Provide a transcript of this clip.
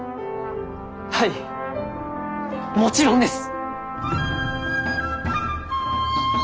はいもちろんです！